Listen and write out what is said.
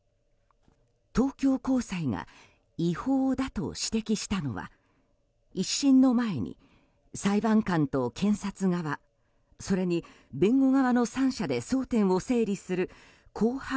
東京高裁が違法だと指摘したのは１審の前に裁判官と検察側それに弁護側の三者で争点を整理する公判